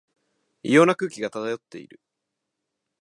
異様な空気が漂っている